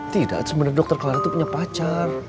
tidak sebenarnya dokter kelar itu punya pacar